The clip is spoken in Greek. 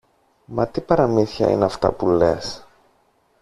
Μα τι παραμύθια είναι αυτά που λες;